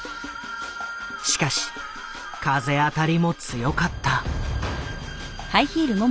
しかし風当たりも強かった。